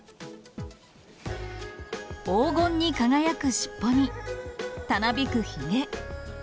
黄金に輝く尻尾に、たなびくひげ。